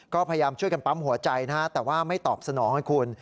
ก็พยายามช่วยกันปั๊มหัวใจนะฮะแต่ว่าไม่ตอบสนองให้คุณ